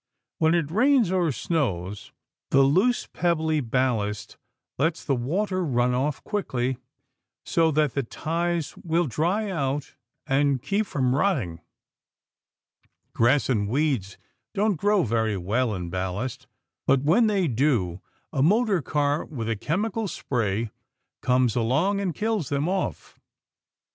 When it rains or snows, the loose pebbly ballast lets the water run off quickly, so that the ties will dry out and keep from rotting. Grass and weeds don't grow very well in ballast, but when they do a motor car with a chemical spray comes along and kills them off.